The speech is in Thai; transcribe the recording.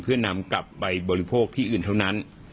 เพื่อนำกลับไปบริโภคที่อื่นเท่านั้น